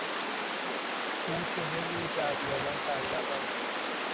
او چهل روز در بیابان سرگردان بود.